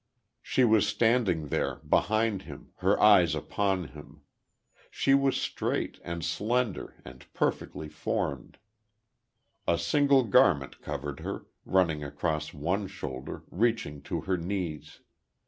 She was standing there, behind him, her eyes upon him.... She was straight, and slender, and perfectly formed. A single garment covered her, running across one shoulder, reaching to her knees.